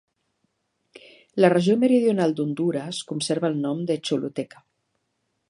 La regió meridional d'Hondures conserva el nom de Choluteca.